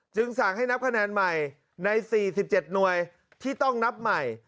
สั่งให้นับคะแนนใหม่ใน๔๗หน่วยที่ต้องนับใหม่